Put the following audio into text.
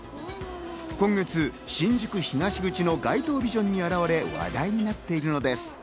今月、新宿駅東口の街頭ビジョンに現れ、話題になっているのです。